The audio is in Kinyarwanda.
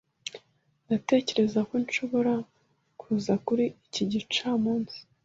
Ndatekereza ko nshobora kuza kuri iki gicamunsi.